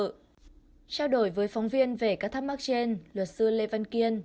trao đổi với phóng viên về các thắc mắc trên luật sư lê văn kiên